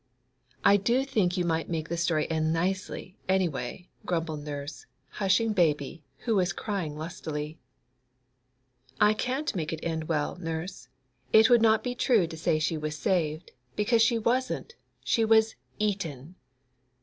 'I do think you might make the story end nicely, any way,' grumbled nurse, hushing Baby, who was crying lustily. 'I can't make it end well, nurse. It would not be true to say she was saved, because she wasn't—she was eaten!